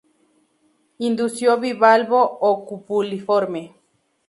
Indusio bivalvo o cupuliforme.